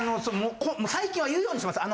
最近は言うようにしてます。